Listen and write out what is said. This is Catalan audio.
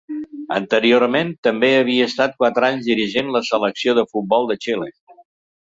Anteriorment també havia estat quatre anys dirigint la selecció de futbol de Xile.